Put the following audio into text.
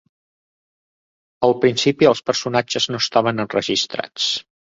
Al principi els personatges no estaven enregistrats.